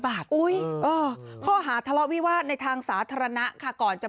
บาทข้อหาทะเลาะวิวาสในทางสาธารณะค่ะก่อนจะ